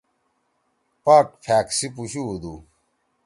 پاک پھأک سی پوشو ہودو۔